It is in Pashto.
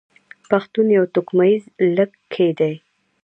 پښتون يو توکميز لږکي دی.